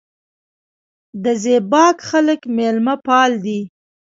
د زیباک خلک میلمه پال دي